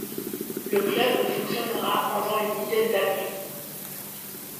Le Club fonctionnera pendant une dizaine d'années.